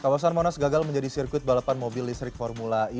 kawasan monas gagal menjadi sirkuit balapan mobil listrik formula e